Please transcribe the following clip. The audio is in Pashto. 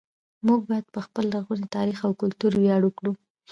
موږ باید په خپل لرغوني تاریخ او کلتور ویاړ وکړو